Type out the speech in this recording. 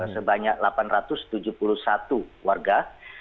sebanyak delapan ratus tujuh puluh satu warga